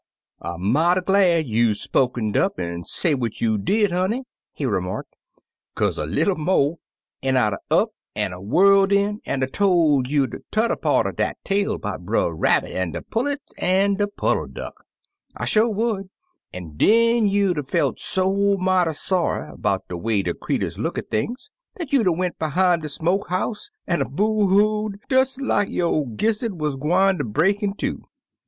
" I *m mighty glad you spokenM up an* say what you did, honey,'' he remarked, "kaze a leetle mo', an' I'd 'a' up an' V whirled in, an' 'a' tol' you de t'er part er dat tale 'bout Brer Rabbit an' de pullets an' de puddle duck; I sho' would, an' den you'd 'a^ felt so mighty sorry 'bout de way de creeturs look at things, dat you'd 'a' went behime de smoke 'ouse an' 'a' boo hoo'd des like yo' gizzard wuz gwine ter break in two."